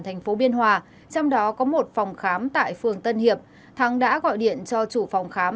thành phố biên hòa trong đó có một phòng khám tại phường tân hiệp thắng đã gọi điện cho chủ phòng khám